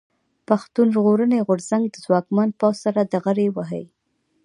پښتون ژغورني غورځنګ د ځواکمن پوځ سره ډغرې وهي.